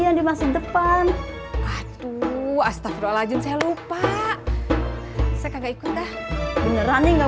yang dimasuk depan atuh astaghfirullahaladzim saya lupa saya nggak ikut dah beneran nih nggak